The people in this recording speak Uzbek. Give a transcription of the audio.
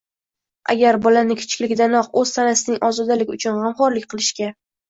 Agar bolani kichikligidanoq o‘z tanasining ozodaligi uchun g‘amxo‘rlik qilishga: